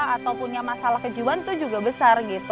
atau punya masalah kejiwaan itu juga besar gitu